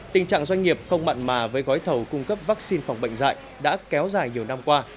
tình trạng doanh nghiệp không mặn mà với gói thầu cung cấp vaccine phòng bệnh dạy đã kéo dài nhiều năm qua